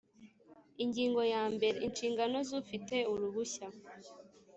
Ingingo ya mbere Inshingano z ufite uruhushya